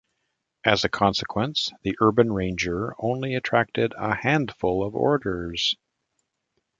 As a consequence the Urbanranger only attracted a handful of orders.